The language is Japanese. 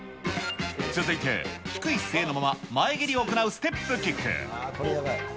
続いて、低い姿勢のまま前蹴りを行うステップキック。